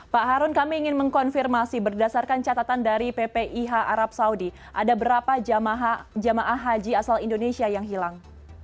pak harun kami ingin mengkonfirmasi berdasarkan catatan dari ppih arab saudi ada berapa jemaah haji asal indonesia yang hilang